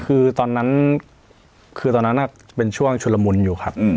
คือตอนนั้นคือตอนนั้นเป็นช่วงชุลมุนอยู่ครับ